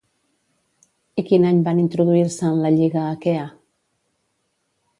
I quin any van introduir-se en la Lliga Aquea?